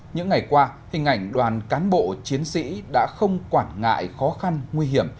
những ngày qua hình ảnh đoàn cán bộ chiến sĩ đã không quản ngại khó khăn nguy hiểm